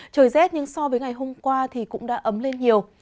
trời rét nhưng so với ngày hôm qua thì cũng đã ấm lên nhiều